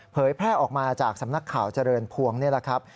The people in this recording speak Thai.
แพร่ออกมาจากสำนักข่าวเจริญพวงนี่แหละครับ